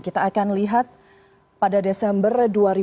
kita akan lihat pada desember dua ribu tiga